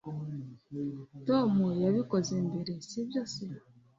tom yabikoze mbere, si byo se